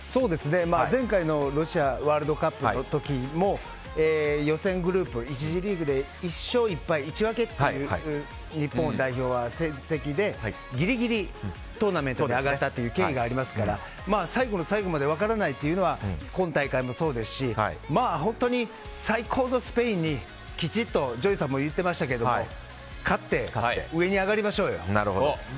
前回のロシアワールドカップの時も予選グループ１次リーグで１勝１敗１分けという日本代表は戦績でぎりぎりトーナメントに上がったっていう経緯がありますから最後の最後まで分からないというのは今大会もそうですし最高のスペインに、きちっとＪＯＹさんも言ってましたけど勝って上に上がりましょうよ。